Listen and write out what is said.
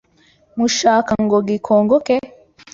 Mushaka ngo gikongoke